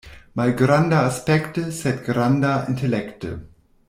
Malgranda aspekte, sed granda intelekte.